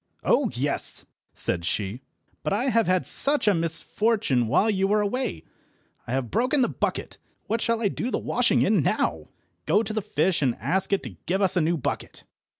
"Oh yes!" said she, "but I have had such a misfortune while you were away. I have broken the bucket. What shall I do the washing in now? Go to the fish, and ask it to give us a new bucket."